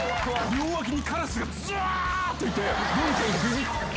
両脇にカラスがずらーっといて。